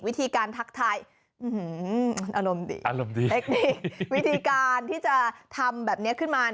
วิธีการที่จะทำแบบนี้ขึ้นมา